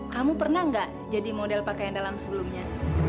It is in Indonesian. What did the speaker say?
kamu pernah nggak jadi model pakaian dalam sebelumnya